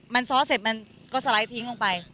มันซ้อเสร็จมันก็สไลด์ทิ้งลงไป